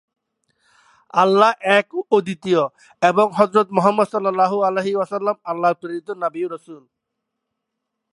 আমি আমার অবসর সময়ে রং করতে পছন্দ করি।